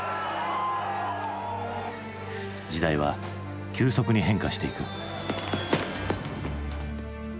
時代は急速に変化していく。